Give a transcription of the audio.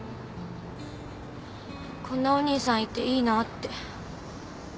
こんなお兄さんいていいなって。